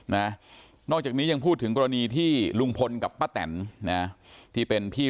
นะนอกจากนี้ยังพูดถึงกรณีที่ลุงพลกับป้าแตนนะที่เป็นพี่